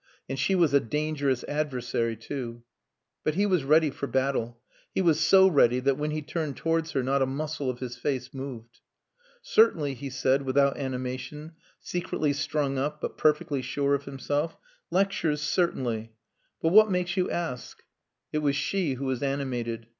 And she was a dangerous adversary too. But he was ready for battle; he was so ready that when he turned towards her not a muscle of his face moved. "Certainly," he said, without animation, secretly strung up but perfectly sure of himself. "Lectures certainly, But what makes you ask?" It was she who was animated.